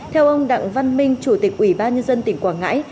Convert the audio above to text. theo ông đặng văn minh chủ tịch ủy ban nhân dân tỉnh quảng ngãi